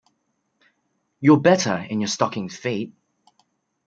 You're better in your stockinged feet.